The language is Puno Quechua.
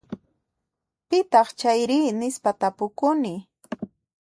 Pitaq chayri? Nispa tapukuni.